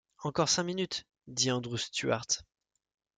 Encore cinq minutes, » dit Andrew Stuart.